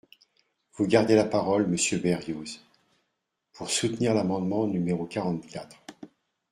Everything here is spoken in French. Vous gardez la parole, monsieur Berrios, pour soutenir l’amendement numéro quarante-quatre.